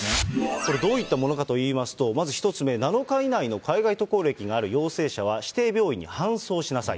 これどういったものかといいますと、まず１つ目、７日以内の海外渡航歴がある陽性者は、指定病院に搬送しなさい。